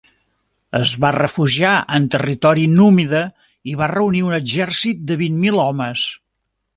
Es va refugiar en territori númida i va reunir un exèrcit de vit mil homes.